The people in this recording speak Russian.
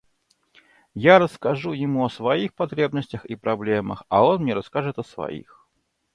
Я расскажу ему о своих потребностях и проблемах, а он мне расскажет о своих.